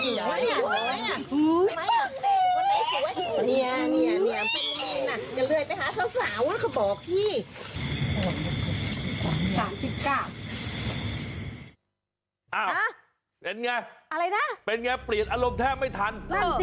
เห็นไงเป็นไงเปลี่ยนอารมณ์แทบไม่ทัน